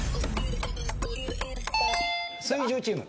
水１０チーム。